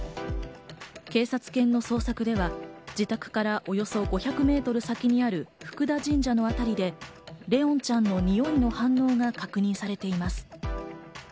警察犬の捜索では自宅からおよそ５００メートル先にある福田神社のあたりで、怜音ちゃんのにおいの反応が確認されています。